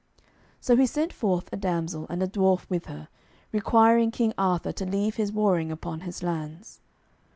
So he sent forth a damsel, and a dwarf with her, requiring King Arthur to leave his warring upon his lands.